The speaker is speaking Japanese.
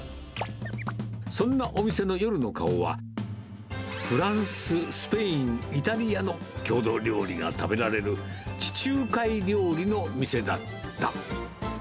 そんなお店の夜の顔は、フランス、スペイン、イタリアの郷土料理が食べられる、地中海料理の店だった。